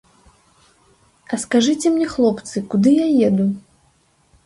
А скажыце мне, хлопцы, куды я еду?